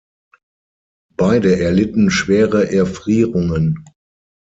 Beide erlitten schwere Erfrierungen.